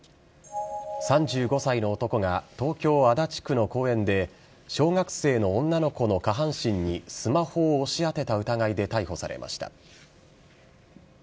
３５歳の男が東京・足立区の公園で、小学生の女の子の下半身にスマホを押し当てた疑いで逮捕されました。